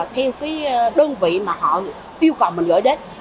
theo cái đơn vị mà họ yêu cầu mình gửi đến